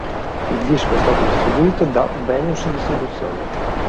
Il disco è stato distribuito da Venus Distribuzione.